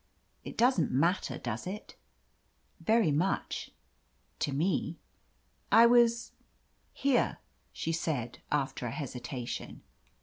"It doesn't matter, does it ?" "Very much — to me." "I was — here," she said, after a hesitation.